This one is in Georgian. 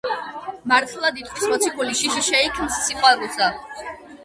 მართლად იტყვის მოციქული: შიში შეიქმს სიყვარულსა